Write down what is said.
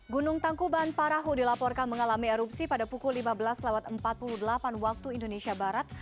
gunung tangkuban parahu dilaporkan mengalami erupsi pada pukul lima belas empat puluh delapan waktu indonesia barat